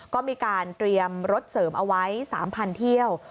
ก็มีการเตรียมรถเสริมเอาไว้๓๐๐เที่ยว